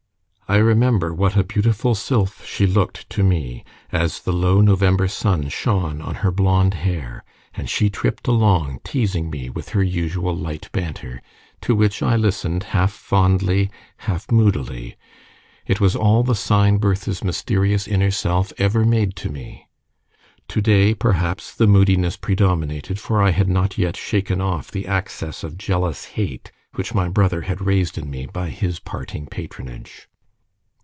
I remember what a beautiful sylph she looked to me as the low November sun shone on her blond hair, and she tripped along teasing me with her usual light banter, to which I listened half fondly, half moodily; it was all the sign Bertha's mysterious inner self ever made to me. To day perhaps, the moodiness predominated, for I had not yet shaken off the access of jealous hate which my brother had raised in me by his parting patronage.